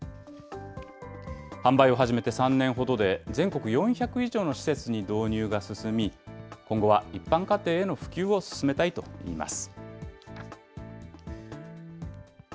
販売を始めて３年ほどで、全国４００以上の施設に導入が進み、今後は一般家庭への普及を進めたいといいます。